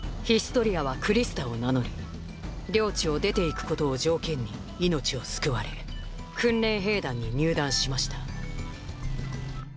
ヒストリアはクリスタを名乗り領地を出ていくことを条件に命を救われ訓練兵団に入団しました